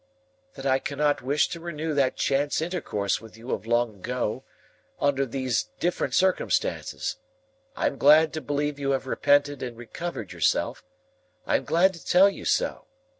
"That I cannot wish to renew that chance intercourse with you of long ago, under these different circumstances. I am glad to believe you have repented and recovered yourself. I am glad to tell you so.